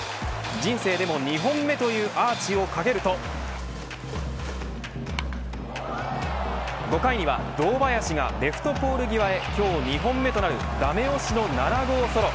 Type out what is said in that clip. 人生でも２本目というアーチをかけると５回には堂林がレフトポール際へ今日２本目となるダメ押しの７号ソロ。